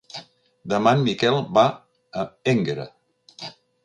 Demà en Miquel va a Énguera.